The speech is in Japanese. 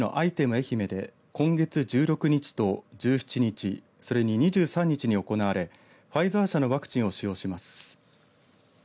えひめで今月１６日と１７日、それに２３日に行われファイザー社のワクチンを使用します。